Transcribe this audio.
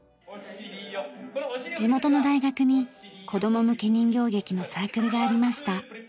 地元の大学に子供向け人形劇のサークルがありました。